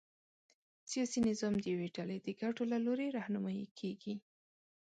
سیاسي نظام د یوې ډلې د ګټو له لوري رهنمايي کېږي.